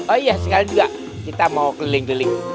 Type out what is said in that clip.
oh iya sekali juga kita mau keliling keliling